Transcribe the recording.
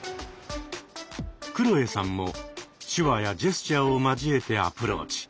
くろえさんも手話やジェスチャーを交えてアプローチ。